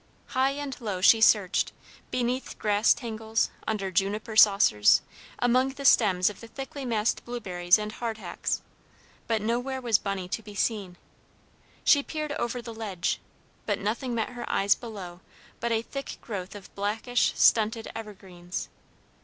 High and low she searched, beneath grass tangles, under "juniper saucers," among the stems of the thickly massed blueberries and hardhacks, but nowhere was Bunny to be seen. She peered over the ledge, but nothing met her eyes below but a thick growth of blackish, stunted evergreens.